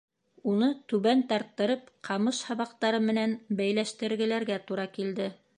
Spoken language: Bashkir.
Уны, түбән тарттырып, ҡамыш һабаҡтары менән бәйләштергеләргә тура килде.